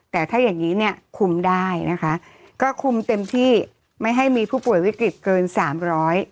แต่ถ้าอย่างงี้เนี่ยคุมได้นะคะก็คุมเต็มที่ไม่ให้มีผู้ป่วยวิกฤตเกินสามร้อย